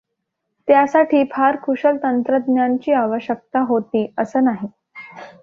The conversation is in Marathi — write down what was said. त्यासाठी फार कुशल तंत्रज्ञांची आवश्यकता होती असंं नाही.